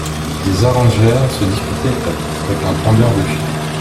Des harengères se disputaient avec un tondeur de chiens.